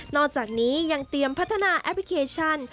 อกจากนี้ยังเตรียมพัฒนาแอปพลิเคชัน